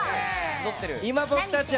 今、僕たちは。